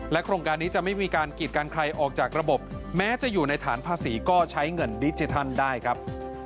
โครงการนี้จะไม่มีการกีดกันใครออกจากระบบแม้จะอยู่ในฐานภาษีก็ใช้เงินดิจิทัลได้ครับ